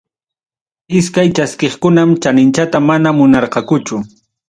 Iskay chaskiqkunam chaninchata mana munarqakuchu.